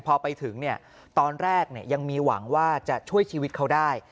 พอไปถึงตอนแรกยังมีหวังว่าจะช่วยชีวิตเขาได้